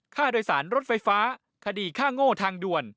ค่าโดยสารรถไฟฟ้าคดีฆ่าโง่ทางด่วน